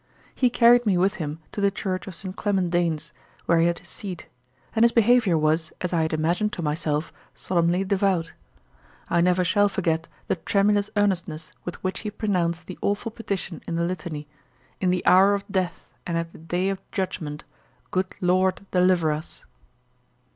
He carried me with him to the church of St. Clement Danes, where he had his seat; and his behaviour was, as I had imaged to myself, solemnly devout. I never shall forget the tremulous earnestness with which he pronounced the awful petition in the Litany: 'In the hour of death, and at the day of judgement, good LORD deliver us.'